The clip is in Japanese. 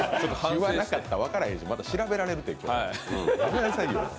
言わなかったら分からへんし、また調べられるから。